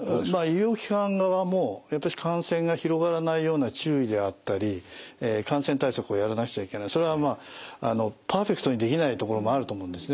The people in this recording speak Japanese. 医療機関側もやっぱり感染が広がらないような注意であったり感染対策をやらなくちゃいけないそれはまあパーフェクトにできない所もあると思うんですね。